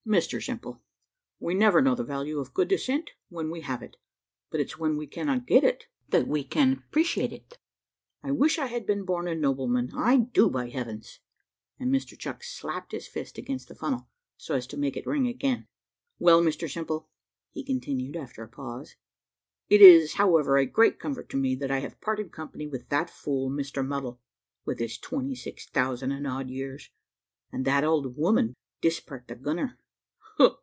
"Mr Simple, we never know the value of good descent when we have it, but it's when we cannot get it, that we can 'preciate it. I wish I had been born a nobleman I do, by heavens!" and Mr Chucks slapped his fist against the funnel, so as to make it ring again. "Well, Mr Simple," continued he, after a pause, "it is however a great comfort to me that I have parted company with that fool, Mr Muddle, with his twenty six thousand and odd years, and that old woman, Dispart the gunner.